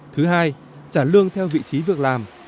thứ hai trả lương theo vị trí việc làm